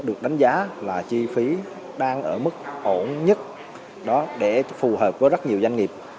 được đánh giá là chi phí đang ở mức ổn nhất đó để phù hợp với rất nhiều doanh nghiệp